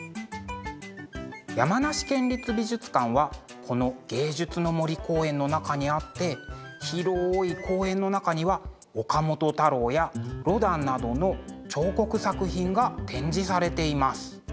山梨県立美術館はこの芸術の森公園の中にあって広い公園の中には岡本太郎やロダンなどの彫刻作品が展示されています。